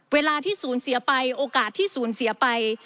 เวลาที่สูญเสียไปโอกาสที่สูญเสียไป